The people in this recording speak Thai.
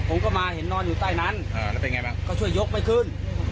ผมก็มาเห็นนอนอยู่ใต้นั้นก็ช่วยยกไปขึ้น